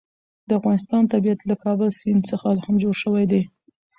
د افغانستان طبیعت له کابل سیند څخه هم جوړ شوی دی.